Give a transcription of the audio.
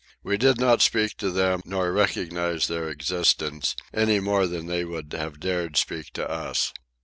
We did not speak to them, nor recognize their existence, any more than would they have dared speak to us.